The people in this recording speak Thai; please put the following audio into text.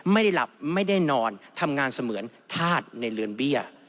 ไม่ได้หลับไม่ได้นอนทำงานเสมือนธาตุในเรือนเบี้ย